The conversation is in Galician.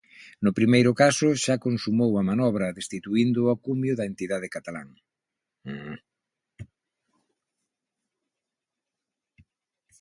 No primeiro caso, xa consumou a manobra, destituíndo ao cumio da entidade catalán.